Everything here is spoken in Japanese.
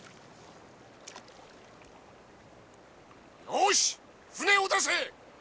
よし舟を出せ！